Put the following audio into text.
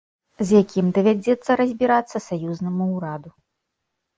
З якім давядзецца разбірацца саюзнаму ўраду.